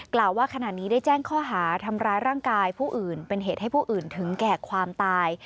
กล่าวว่าขณะนี้ได้แจ้งข้อหาทำร้ายร่างกายผู้อื่นเป็นเหตุให้ผู้อื่นถึงแก่ความตาย